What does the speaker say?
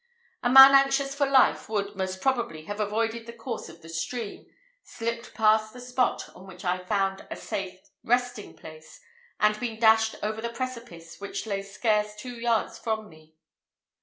A man anxious for life would, most probably, have avoided the course of the stream, slipped past the spot on which I found a safe resting place, and been dashed over the precipice which lay scarce two yards from me.